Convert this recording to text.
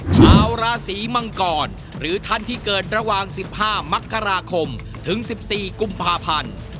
ชาวราศีมังกรหรือท่านที่เกิดระหว่าง๑๕มกราคมถึง๑๔กุมภาพันธ์